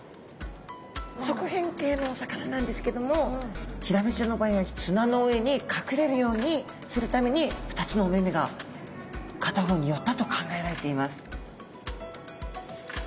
側扁形のお魚なんですけどもヒラメちゃんの場合は砂の上に隠れるようにするために２つのお目目が片方に寄ったと考えられています。